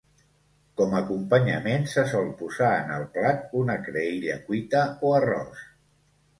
Com acompanyament se sol posar en el plat una creïlla cuita o arròs.